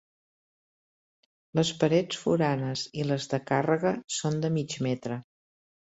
Les parets foranes i les de càrrega són de mig metre.